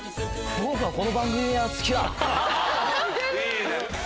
僕はこの番組が好きだ！